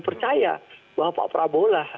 percaya bahwa pak prabowo lah